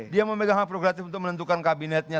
dia memegang hak progratif untuk menentukan kabinetnya